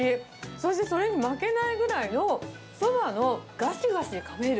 そして、それに負けないぐらいのそばの、がしがしかめる